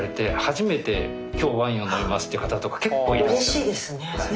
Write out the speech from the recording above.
うれしいですね。